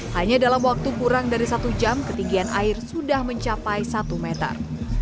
hanya dalam waktu kurang dari satu jam ketinggian air sudah mencapai satu meter